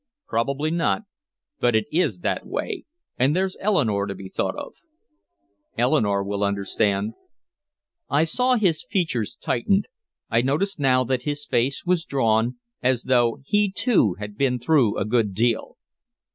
"Probably not. But it is that way, and there's Eleanore to be thought of." "Eleanore will understand." I saw his features tighten. I noticed now that his face was drawn, as though he, too, had been through a good deal.